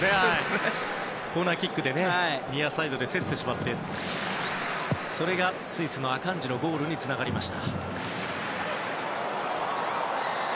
コーナーキックでニアサイドで競ってしまってそれがスイスのアカンジのゴールにつながりました。